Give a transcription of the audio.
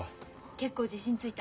結構自信ついた。